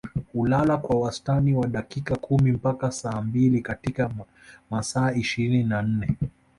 Hulala kwa wastani wa dakika kumi mpaka saa mbili katika masaa ishirini na nne